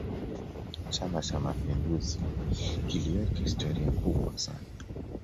chama cha mapinduzi kiliweka historia kubwa sana